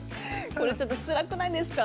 これちょっとつらくないですか。